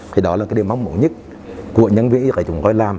thì đó là điều mong muốn nhất của nhân viên y tế chúng tôi làm